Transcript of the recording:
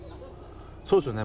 そうですよね。